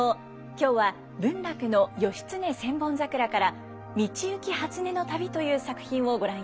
今日は文楽の「義経千本桜」から「道行初音旅」という作品をご覧いただきます。